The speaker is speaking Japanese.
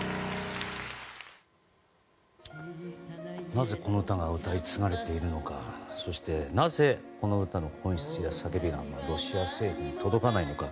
なぜこの歌が歌い継がれているのかそしてなぜこの歌の本質や叫びがロシア政府に届かないのか。